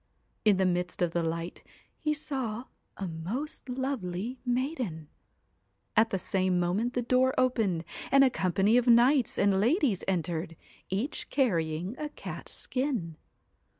In the midst of the light he saw a most lovely maiden. At the same moment the door opened, and a company of knights and ladies entered, each carrying a cat's skin.